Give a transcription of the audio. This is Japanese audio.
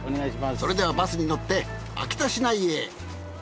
それではバスに乗って秋田市内へ。